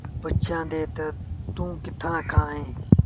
پُڇيآندي تا، توٚنٚ ڪِٿآنٚ کآݩ اهينٚ؟